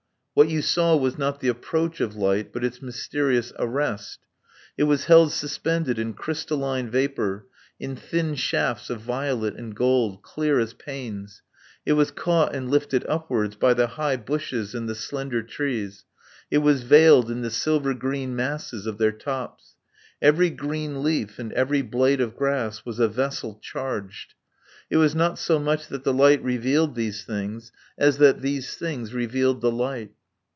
What you saw was not the approach of light, but its mysterious arrest. It was held suspended in crystalline vapour, in thin shafts of violet and gold, clear as panes; it was caught and lifted upwards by the high bushes and the slender trees; it was veiled in the silver green masses of their tops. Every green leaf and every blade of grass was a vessel charged. It was not so much that the light revealed these things as that these things revealed the light.